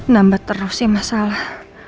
nambah terus ya masalah